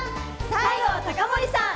西郷隆盛さん！